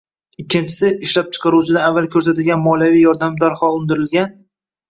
Ikkinchisi — ishlab chiqaruvchidan avval ko‘rsatilgan moliyaviy yordamni darhol undirgan